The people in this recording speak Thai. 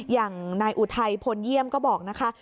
อย่างนายอุทัยพลเยี่ยมก็บอกนะคะ